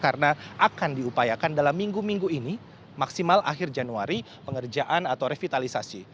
karena akan diupayakan dalam minggu minggu ini maksimal akhir januari pengerjaan atau revitalisasi